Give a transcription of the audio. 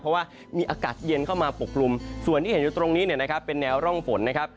เพราะว่ามีอากาศเย็นเข้ามาปกกลุ่มส่วนที่เห็นอยู่ตรงนี้เนี่ยนะครับเป็นแนวร่องฝนนะครับ